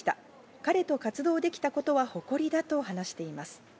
彼と活動できたことは誇りだと話しています。